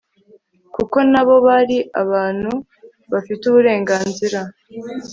kuko na bo bari abantu bafite uburenganzira